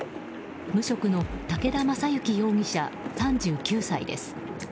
無職の武田将之容疑者３９歳です。